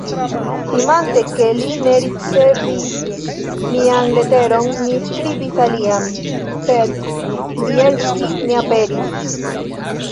Timante, ke li ne ricevis mian leteron, mi skribis alian, sed Bjelski ne aperis.